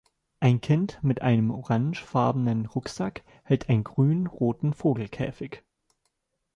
Ein Kind mit einem orangefarbenen Rucksack hält einen grün-roten Vogelkäfig.